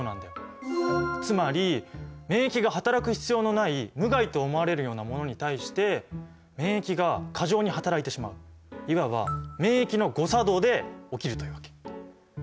つまり免疫がはたらく必要のない無害と思われるようなものに対して免疫が過剰にはたらいてしまういわば免疫の誤作動で起きるというわけ。